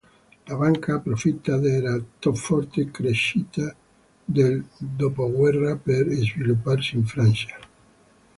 La banca approfitta della forte crescita del Dopoguerra per svilupparsi in Francia.